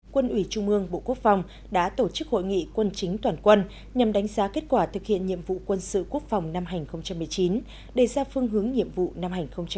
quân ủy trung ương bộ quốc phòng đã tổ chức hội nghị quân chính toàn quân nhằm đánh giá kết quả thực hiện nhiệm vụ quân sự quốc phòng năm hai nghìn một mươi chín đề ra phương hướng nhiệm vụ năm hai nghìn hai mươi